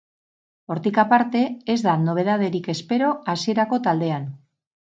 Hortik aparte, ez da nobedaderik espero hasierako taldean.